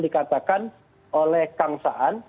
dikatakan oleh kang saan